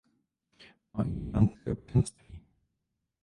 Má íránské občanství.